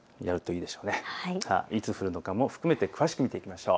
いつ降るのかも含めて詳しく見ていきましょう。